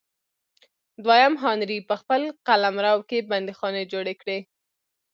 دویم هانري په خپل قلمرو کې بندیخانې جوړې کړې.